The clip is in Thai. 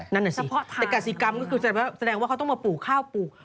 นั่นเหรอสิแต่กษิกรรมก็คือแสดงว่าเขาต้องมาปลูกข้าว